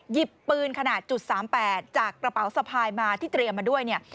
หยิบปืนขนาด๓๘จากกระเป๋าสะพายมาที่เตรียมมาด้วยเนี่ย